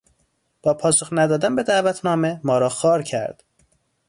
با پاسخ ندادن به دعوتنامه ما را خوار کرد.